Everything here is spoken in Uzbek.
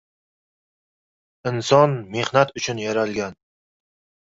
• Inson mehnat uchun yaralgan.